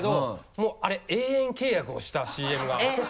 もうあれ永遠契約をしたＣＭが。えっ！